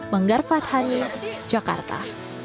manggar fathani jakarta